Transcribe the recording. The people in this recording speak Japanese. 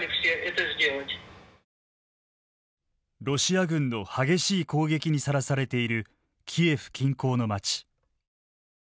ロシア軍の激しい攻撃にさらされている、キエフ近郊の街。